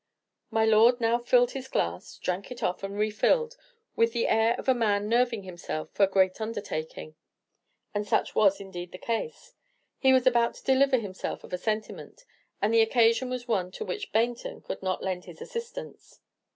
My lord now filled his glass, drank it off, and refilled, with the air of a man nerving himself for a great undertaking, and such was indeed the case. He was about to deliver himself of a sentiment, and the occasion was one to which Baynton could not lend his assistance.